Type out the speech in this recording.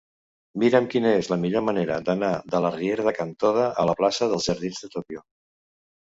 Mira'm quina és la millor manera d'anar de la riera de Can Toda a la plaça dels Jardins de Tòquio.